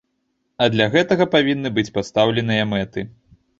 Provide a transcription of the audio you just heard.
А для гэтага павінны быць пастаўленыя мэты.